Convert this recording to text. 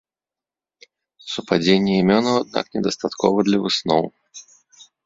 Супадзення імёнаў аднак недастаткова для высноў.